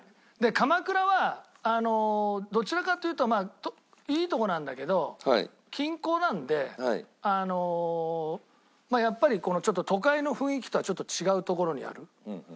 鎌倉はどちらかというといいとこなんだけど近郊なんでやっぱり都会の雰囲気とはちょっと違う所にある。